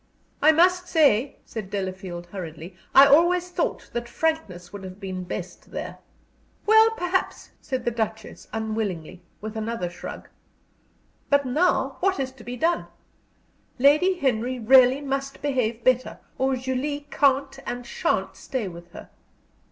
"I must say," said Delafield, hurriedly, "I always thought frankness would have been best there." "Well, perhaps," said the Duchess, unwillingly, with another shrug. "But now what is to be done? Lady Henry really must behave better, or Julie can't and sha'n't stay with her.